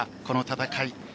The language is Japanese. この戦い。